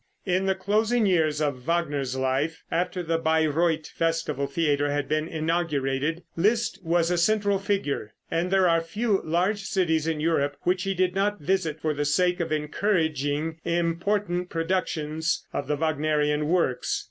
] In the closing years of Wagner's life, after the Bayreuth festival theater had been inaugurated, Liszt was a central figure, and there are few large cities in Europe which he did not visit for the sake of encouraging important productions of the Wagnerian works.